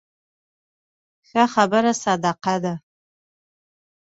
ښه خبره صدقه ده